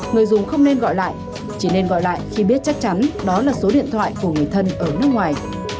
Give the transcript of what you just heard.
người dùng không nên gọi lại chỉ nên gọi lại khi biết chắc chắn đó là số điện thoại của người thân ở nước ngoài